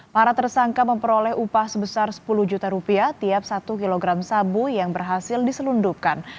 para tersangka memperoleh upah sebesar sepuluh juta rupiah tiap satu kilogram sabu yang berhasil diselundupkan